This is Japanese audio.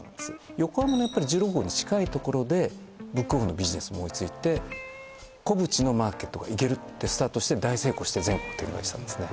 横浜の１６号の近いところでＢＯＯＫ・ＯＦＦのビジネス思いついて古淵のマーケットがいけるってスタートして大成功して全国展開したんですね